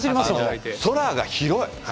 空が広い。